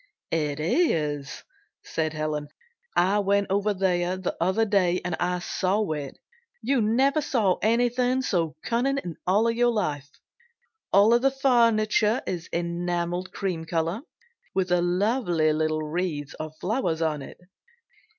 "It is," said Helen. "I went over there the other day and saw it. You never saw anything so cunning in your life. All the furniture is enameled cream color, with lovely little wreaths of flowers on it.